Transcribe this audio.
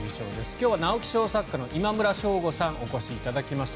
今日は直木賞作家の今村翔吾さんにお越しいただきました。